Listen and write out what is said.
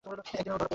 একদিন ও ধরা পরবেই।